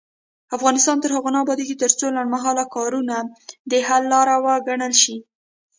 افغانستان تر هغو نه ابادیږي، ترڅو لنډمهاله کارونه د حل لاره وګڼل شي.